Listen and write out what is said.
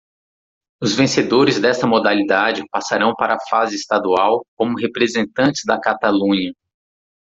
Os vencedores desta modalidade passarão para a fase estadual como representantes da Catalunha.